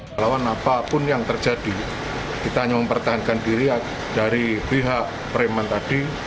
melawan apapun yang terjadi kita hanya mempertahankan diri dari pihak preman tadi